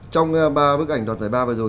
trong ba bức ảnh đoàn giải ba vừa rồi